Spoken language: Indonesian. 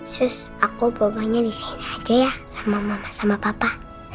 sus aku bobonya disini aja ya sama mama sama papa